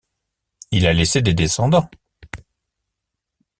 Il a laissé des descendants.